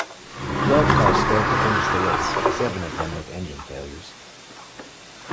Twelve cars failed to finish the race, seven of them with engine failures.